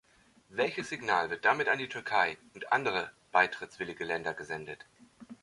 Welches Signal wird damit an die Türkei und andere beitrittswillige Länder gesendet?